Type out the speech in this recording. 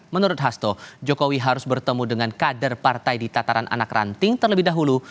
menurut hasto jokowi harus bertemu dengan kader partai di tataran anak ranting terlebih dahulu